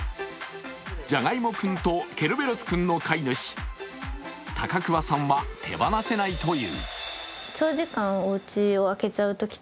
じゃがいもくんとケルベロスくんの飼い主、高桑さんは手放せないという。